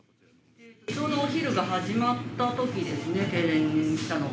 ちょうどお昼が始まったときですね、停電したのが。